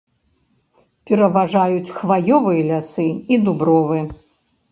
Пераважаюць хваёвыя лясы і дубровы.